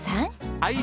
はい！